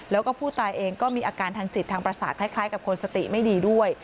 แล้วก็ผู้ตายเองก็มีอาการทางจิตทางประสาทคล้ายกับคนสติไม่ดีด้วย